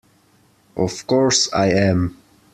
Of course I am!